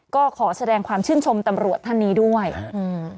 ก็ขอแสดงความชื่นชมตำรวจท่านนี้ด้วยอืม